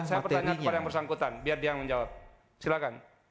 sudah saya pertanyaan kepada yang bersangkutan biar dia yang menjawab silakan